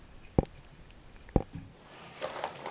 ketepat teh ketepatithan